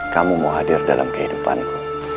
kamu mau hadir dalam kehidupanku